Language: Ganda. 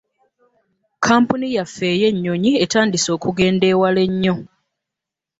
Kkampuni yaffe ey'ennyonyi etandise okugenda ewala ennyo.